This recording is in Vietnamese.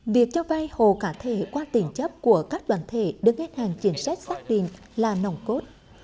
việc cho vai hồ cả thể qua tiền chấp của các đoàn thể đứng hết hàng chiến sách xác định là nồng cốt